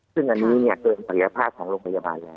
ซึ่งอันนี้เผลอปรีรภาพของโรงพยาบาล